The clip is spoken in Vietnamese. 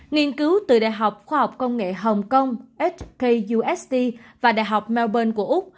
nghiên cứu từ đại học khoa học công nghệ hồng kông hkust và đại học melbourne của úc